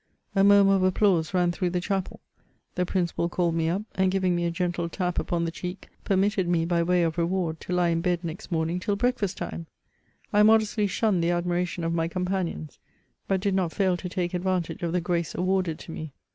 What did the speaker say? A murmur of applause ran throogli the du^^e) , the principal called me up, and giving me a gentle tap upon the cheek, permitted me, by way of reward, to lie in bed next morning tiU breakfast time I I modestly shunned the admira tion of my companions, but did not foil to take adrantage of the grace awar^d to me.